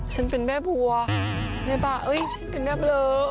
ฉันเป็นแม่บัวแม่บ่าเอ้ยฉันเป็นแม่เบลอ